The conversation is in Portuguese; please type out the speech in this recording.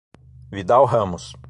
Vidal Ramos